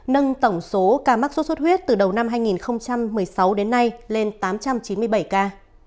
nâng tổng số ca mắc sốt xuất huyết từ đầu năm hai nghìn một mươi sáu đến nay lên tám trăm chín mươi bảy ca